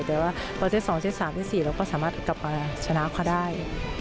แต่ว่าพอเซต๒เซต๓เซต๔เราก็สามารถกลับมาชนะเขาได้